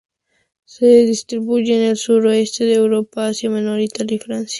Se distribuye en el sureste de Europa, Asia Menor, Italia y Francia.